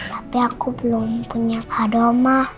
tapi aku belum punya kado mah